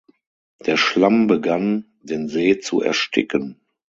Der Schlamm begann, den See zu ersticken.